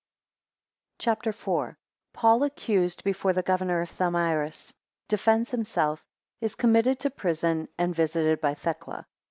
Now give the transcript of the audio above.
CHAPTER IV. 1 Paul accused before the governor by Thamyris. 5 Defends himself. 9 Is committed to prison, 10 and visited by Thecla.